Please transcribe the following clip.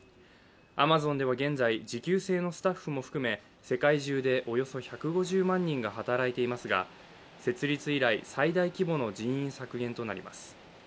アマゾンでは現在、時給制のスタッフも含め世界中でおよそ１５０万人が働いていますが設立以来最大規模の人員削減となります。